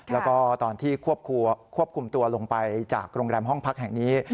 แล้วก็ตอนที่ควบคุมตัวลงไปจากโรงแรมห้องพักแห่งนี้